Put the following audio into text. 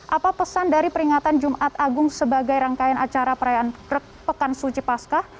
apa pesan dari peringatan jumat agung sebagai rangkaian acara perayaan pekan suci paskah